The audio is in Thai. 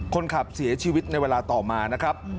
คนขับเสียชีวิตในเวลาต่อมานะครับ